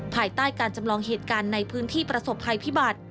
ภายใต้การจำลองเหตุการณ์ในพื้นที่ประสบภัยพิบัติ